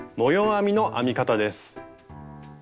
編みの編み方です。